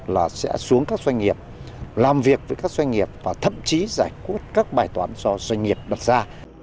là sẽ xuống các doanh nghiệp làm việc với các doanh nghiệp và thậm chí giải quyết các bài toán do doanh nghiệp đặt ra